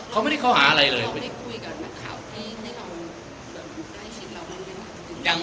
เขาไม่ได้เข้าหาอะไรเลย